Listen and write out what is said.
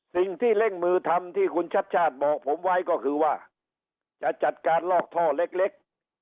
สิ่งที่เร่งมือทำที่คุณชัดชาติบอกผมไว้ก็คือว่าจะจัดการลอกท่อเล็ก